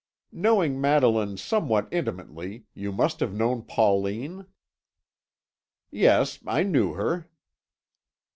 "Knowing Madeline somewhat intimately, you must have known Pauline?" "Yes, I knew her."